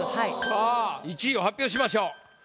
さあ１位を発表しましょう。